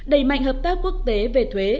đẩy mạnh hợp tác quốc tế về thuế